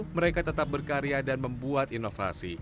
mereka tetap berkarya dan membuat inovasi